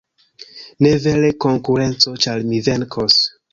.... Ne vere konkurenco, ĉar mi venkos.